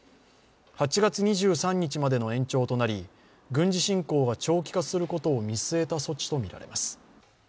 ８月２３日までの延長となり、軍事侵攻が長期化することを見据えた措置とみられます。